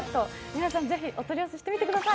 皆さん、ぜひお取り寄せしてみてください。